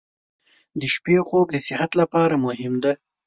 • د شپې خوب د صحت لپاره مهم دی.